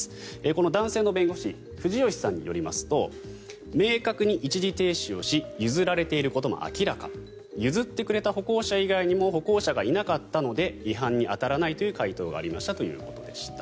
この男性の弁護士藤吉さんによりますと明確に一時停止をし譲られていることも明らか譲ってくれた歩行者以外にも歩行者がいなかったので違反に当たらないという回答がありましたということです。